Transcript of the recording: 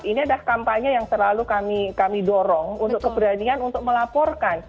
ini adalah kampanye yang selalu kami dorong untuk keberanian untuk melaporkan